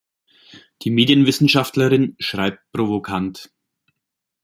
Die Medienwissenschaftlerin schreibt provokant.